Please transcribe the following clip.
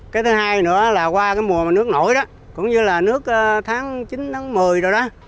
cái thứ hai nữa là qua cái mùa mà nước nổi đó cũng như là nước tháng chín tháng một mươi rồi đó